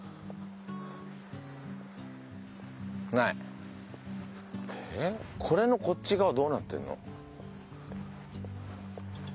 ええっこれのこっち側どうなってんの？